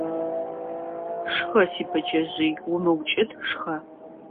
Шхэ, си бэджэжъый, умыукӀыт, шхэ!